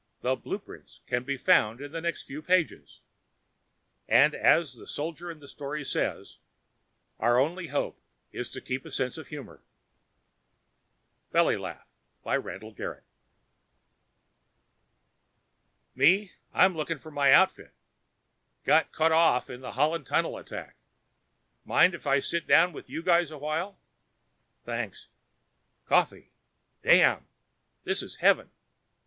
The blueprint can be found in the next few pages; and as the soldier in the story says, our only hope is to keep a sense of humor!_ Me? I'm looking for my outfit. Got cut off in that Holland Tunnel attack. Mind if I sit down with you guys a while? Thanks. Coffee? Damn! This is heaven.